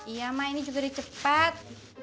iya mak ini juga di cepat